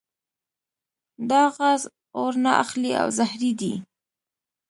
دا غاز اور نه اخلي او زهري دی.